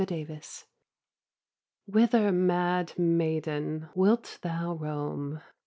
TO HIS MUSE Whither, mad maiden, wilt thou roam?